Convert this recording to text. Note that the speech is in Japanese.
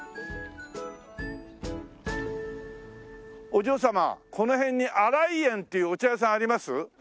お嬢様この辺に新井園っていうお茶屋さんあります？